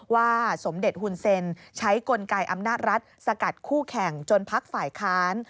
สมเด็จหุ่นเซ็นใช้กลไกอำนาจรัฐสกัดคู่แข่งจนพักฝ่ายค้าน